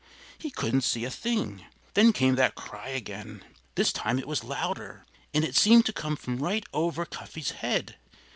He couldn't see a thing. Then came that cry again. This time it was louder. And it seemed to come from right over Cuffy's head.